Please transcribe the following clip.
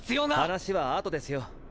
話は後ですよ。